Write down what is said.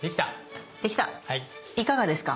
いかがですか？